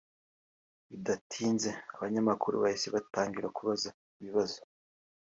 Bidatinze abanyamakuru bahise batangira kubaza ibibazo